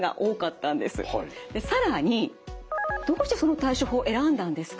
で更にどうしてその対処法を選んだんですか？